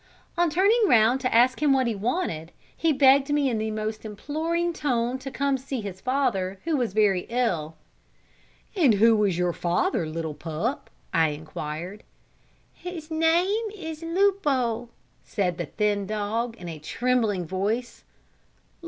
On turning round to ask him what he wanted, he begged me in the most imploring tone to come and see his father, who was very ill. "And who is your father, little pup?" I inquired. "His name is Lupo," said the thin dog, in a trembling voice.